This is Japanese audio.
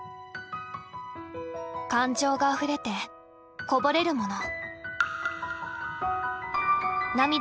感情があふれてこぼれるもの。